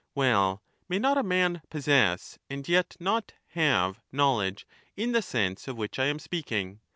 Well, may not a man ' possess ' and yet not ' have ' knowledge in the sense of which I am speaking